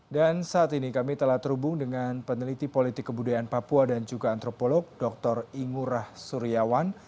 dan saat ini kami telah terhubung dengan peneliti politik kebudayaan papua dan juga antropolog dr ingurah suryawan